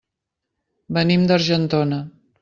Venim d'Argentona.